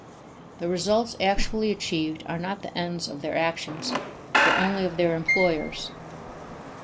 The results actually achieved are not the ends of their actions, but only of their employers.